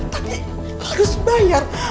tapi harus bayar